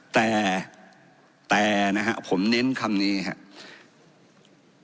แต่แต่นะฮะผมเน้นคำนี้ครับ